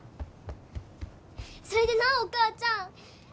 それでなお母ちゃん！